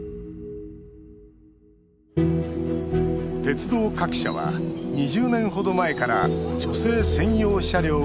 鉄道各社は２０年ほど前から女性専用車両を導入。